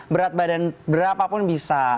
berat badan berapa pun bisa